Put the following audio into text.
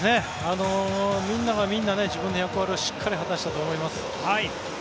みんながみんな自分の役割をしっかり果たしたと思います。